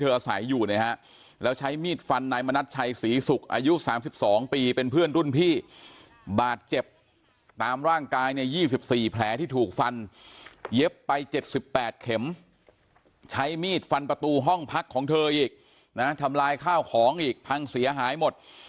ตามร่างกายเนี้ยยี่สิบสี่แผลที่ถูกฟันเย็บไปเจ็ดสิบแปดเข็มใช้มีดฟันประตูห้องพักของเธออีกนะฮะทำลายข้าวของอีกพังเสียหายหมด